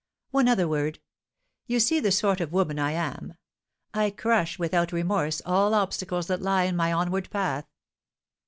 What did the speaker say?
One other word. You see the sort of woman I am: I crush without remorse all obstacles that lie in my onward path.